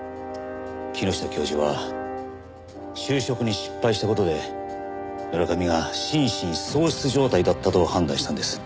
木下教授は就職に失敗した事で村上は心神喪失状態だったと判断したんです。